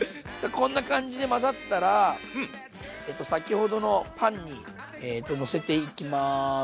こんな感じで混ざったら先ほどのパンにのせていきます。